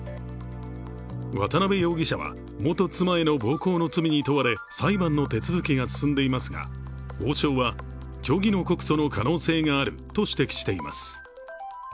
渡辺容疑者は元妻への暴行の罪に問われ裁判の手続きが進んでいますが法相は虚偽の告訴の可能性があると指摘しています。